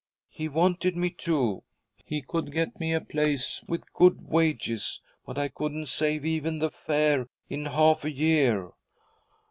'He wanted me to. He could get me a place with good wages. But I couldn't save even the fare in half a year.'